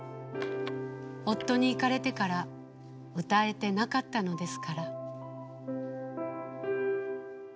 夫に逝かれてから歌えてなかったのですから。